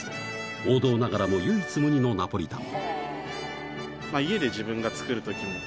王道ながらも唯一無二のナポリタン